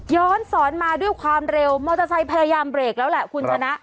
สอนมาด้วยความเร็วมอเตอร์ไซค์พยายามเบรกแล้วแหละคุณชนะ